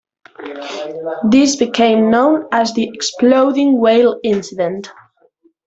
This became known as the "exploding whale incident".